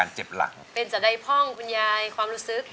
ร้องได้นะ